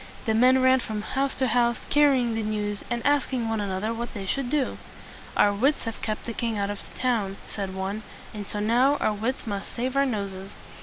The men ran from house to house, carrying the news, and asking one another what they should do. "Our wits have kept the king out of the town," said one; "and so now our wits must save our noses."